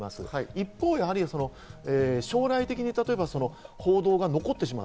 一方、将来的に報道が残ってしまう。